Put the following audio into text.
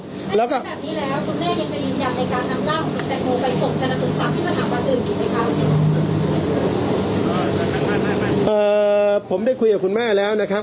ไปกรมชาตานคุณภักดิ์ที่สถานอาทิตย์อื่นหรือไงครับเอ่อเอ่อผมได้คุยกับคุณแม่แล้วนะครับ